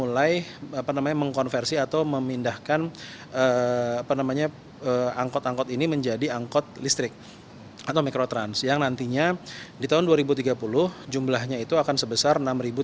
listrik atau mikrotrans yang nantinya di tahun dua ribu tiga puluh jumlahnya itu akan sebesar enam tiga ratus